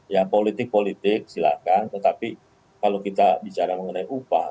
ya politik politik silakan tetapi kalau kita bicara mengenai upah